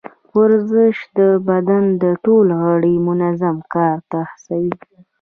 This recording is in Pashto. ورزش د بدن ټول غړي منظم کار ته هڅوي.